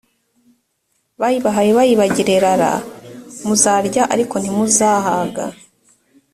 bayibahe bayibagerera r muzarya ariko ntimuzahaga